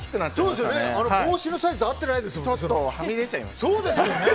帽子のサイズが合ってないですもんね。